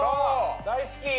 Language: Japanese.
大好き！